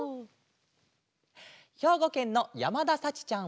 ひょうごけんのやまださちちゃん３さいから。